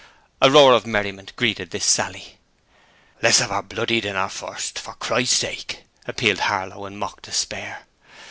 A roar of merriment greeted this sally. 'Let's 'ave our bloody dinner first, for Christ's sake,' appealed Harlow, with mock despair.